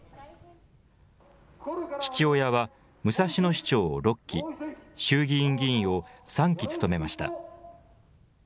父親は武蔵野市長を６期、衆議院議員を３期務めました。